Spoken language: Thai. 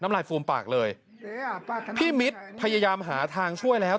ลายฟูมปากเลยพี่มิตรพยายามหาทางช่วยแล้ว